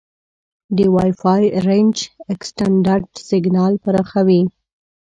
د وای فای رینج اکسټینډر سیګنال پراخوي.